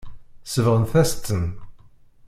Sebɣent-as-ten.